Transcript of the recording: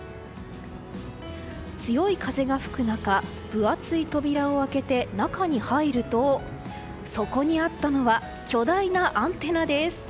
強い風が吹く中分厚い扉を開けて中に入るとそこにあったのは巨大なアンテナです。